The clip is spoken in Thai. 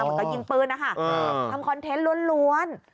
เหมือนกับยิงปืนนะคะทำคอนเทนต์ล้วน